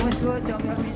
nemos gua juga bisa